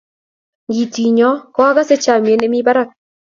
ng'i tinya ko akase chamiet nemi barak